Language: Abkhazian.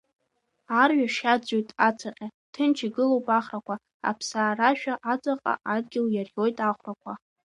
Арҩаш иаӡәӡәоит ацаҟьа, ҭынч игылоуп ахрақәа, аԥсаа рашәа аҵаҟа адгьыл иарӷьоит ахәрақәа…